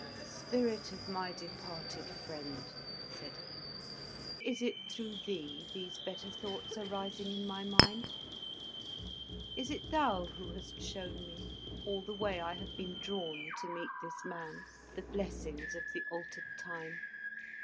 "Spirit of my departed friend," said he, "is it through thee these better thoughts are rising in my mind? Is it thou who hast shown me, all the way I have been drawn to meet this man, the blessings of the altered time?